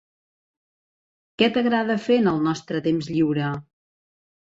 Què t'agrada fer en el nostre temps lliure?